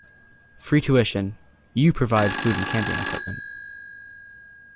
Free tuition --- you provide food and camping equipment.